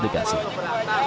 dengan ojek berbasis aplikasi